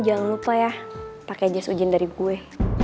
jangan lupa ya pakai jas hujan dari gue